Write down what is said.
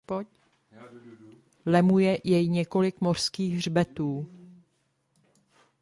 Lemuje jej několik mořských hřbetů.